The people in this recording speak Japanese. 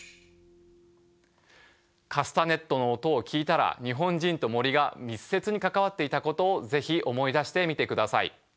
カスタネットの音を聞いたら日本人と森が密接に関わっていたことを是非思い出してみてください。